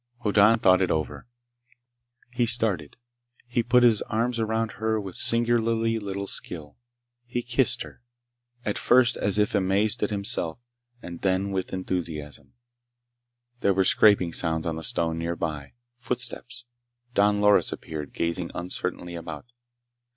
Hoddan thought it over. He started. He put his arms around her with singularly little skill. He kissed her, at first as if amazed at himself, and then with enthusiasm. There were scraping sounds on the stone nearby. Footsteps. Don Loris appeared, gazing uncertainly about.